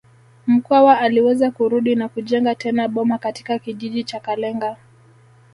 Mkwawa aliweza kurudi na kujenga tena boma katika kijiji cha Kalenga